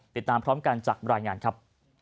ติดตามพร้อมกันจากรายงานครับ